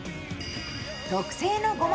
特製のごま